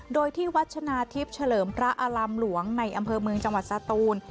โดยที่วัชนาทิพย์เฉลิมพระอารามหลวงในอำเภอเมืองจังหวัดสตูน